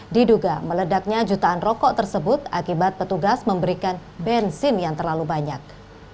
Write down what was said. diduga meledaknya jutaan rokok tersebut akibat petugas memberikan bensin yang terlalu banyak